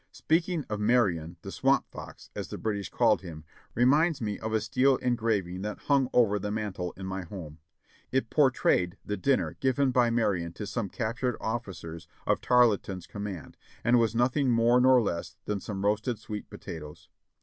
Speaking of Marion, the "Swamp Fox," as the British called A TYPICAL VIRGINIA PLAXTATIOX 585 liim, reminds me of a steel engraving that hung over the mantel in my home. It portrayed the dinner given by Marion to some captured officers of Tarleton's command, and was nothing more nor less than some roasted sweet potatoes.